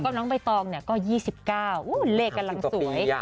แล้วก็น้องใบตองเนี่ยก็๒๙โอ้โหเลขกำลังสวย